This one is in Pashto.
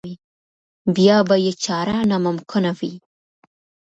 بیا به یې چاره ناممکنه وي.